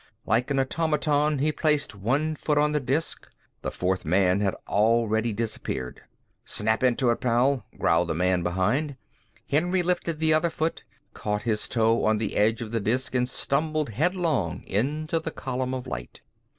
Like an automaton he placed one foot on the disk. The fourth man had already disappeared. "Snap into it, pal," growled the man behind. Henry lifted the other foot, caught his toe on the edge of the disk and stumbled headlong into the column of light.